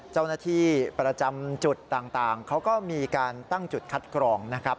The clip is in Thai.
เจ้าหน้าที่ประจำจุดต่างเขาก็มีการตั้งจุดคัดกรองนะครับ